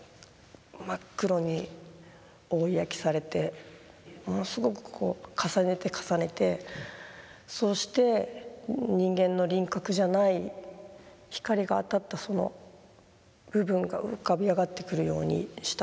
真っ黒に棒焼されてものすごくこう重ねて重ねてそして人間の輪郭じゃない光が当たったその部分が浮かび上がってくるようにしたと思うんですね。